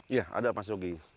iya ada pak sogi